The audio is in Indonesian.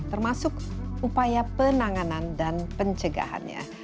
termasuk upaya penanganan dan pencegahannya